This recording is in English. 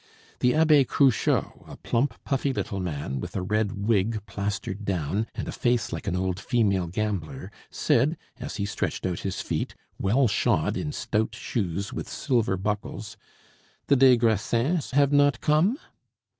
The Abbe Cruchot, a plump, puffy little man, with a red wig plastered down and a face like an old female gambler, said as he stretched out his feet, well shod in stout shoes with silver buckles: "The des Grassins have not come?"